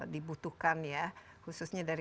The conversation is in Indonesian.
dibutuhkan ya khususnya dari